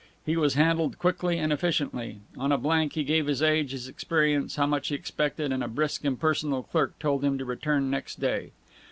He was handled quickly and efficiently. On a blank he gave his age, his experience, how much he expected; and a brisk, impersonal clerk told him to return next day.